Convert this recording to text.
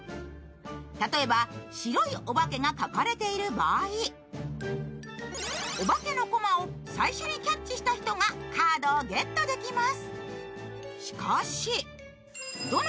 例えば、白いおばけが書かれてる場合緑の瓶をキャッチした人がカードをゲットできます。